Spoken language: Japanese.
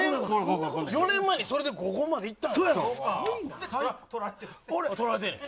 ４年前にそれでここまでいった。